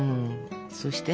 そうして。